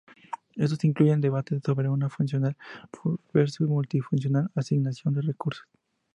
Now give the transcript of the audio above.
Estos incluyen debates sobre una funcional versus multifuncional asignación de recursos.